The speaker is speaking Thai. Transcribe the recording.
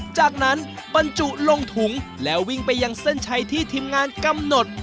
จากนั้นบรรจุลงถุงแล้ววิ่งไปยังเส้นชัยที่ทีมงานกำหนด